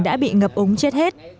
đã bị ngập ống chết hết